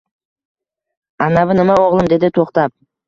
Anavi nima, o’g’lim? – dedi to’xtab.